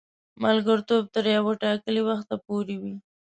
ملګرتوب تر یوه ټاکلي وخته پوري وي.